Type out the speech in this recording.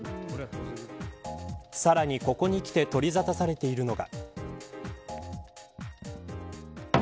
さらに、ここにきて取り沙汰されているのが。